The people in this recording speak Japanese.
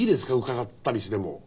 伺ったりしても。